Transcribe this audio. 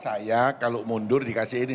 saya kalau mundur dikasih ini